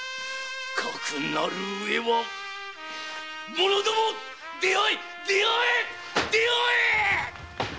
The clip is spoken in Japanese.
かくなる上は者ども出会え出会え出会えっ！